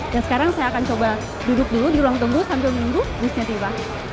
dan sekarang saya akan coba duduk dulu di ruang tunggu sambil menunggu busnya tiba